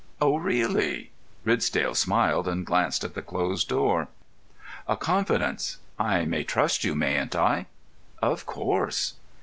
"Oh, really?" Ridsdale smiled, and glanced at the closed door. "A confidence! I may trust you, mayn't I?" "Of course."